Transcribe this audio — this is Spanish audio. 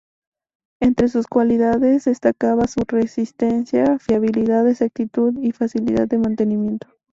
Entre sus cualidades destacaba su resistencia, fiabilidad, exactitud y facilidad de mantenimiento.